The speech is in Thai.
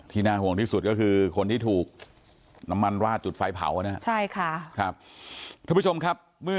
ที่น่าห่วงที่สุดก็คือคนที่ถูกน้ำมันราดจุดไฟเผา